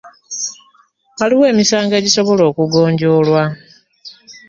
Waliwo emisango egisobola okugonjoolwa.